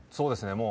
もう。